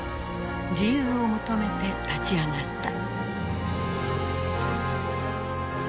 自由を求めて立ち上がった。